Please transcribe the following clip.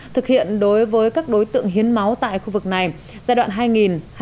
thực hiện đối với các đối tượng hiến máu tại khu vực này giai đoạn hai nghìn hai nghìn một mươi bảy